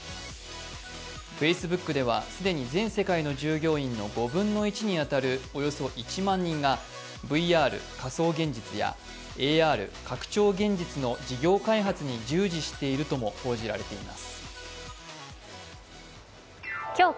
Ｆａｃｅｂｏｏｋでは既に全世界の従業員のおよそ５分の１に当たるおよそ１万人がＶＲ＝仮想現実やＡＲ＝拡張現実の事業開発に従事しているとも報じられています。